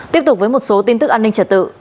tiếp tục với một số tin tức an ninh trật tự